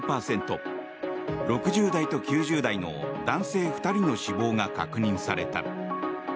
６０代と９０代の男性２人の死亡が確認された。